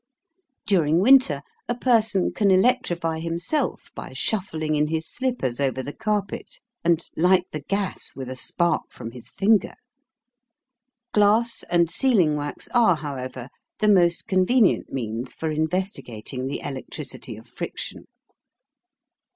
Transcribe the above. During winter a person can electrify himself by shuffling in his slippers over the carpet, and light the gas with a spark from his finger. Glass and sealing wax are, however, the most convenient means for investigating the electricity of friction.